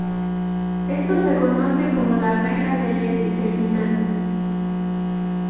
Esto se conoce como la regla del N-terminal.